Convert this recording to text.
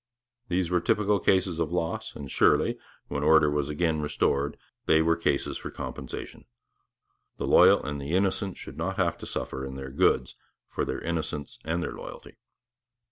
These were typical cases of loss, and surely, when order was again restored, they were cases for compensation. The loyal and the innocent should not have to suffer in their goods for their innocence and their loyalty.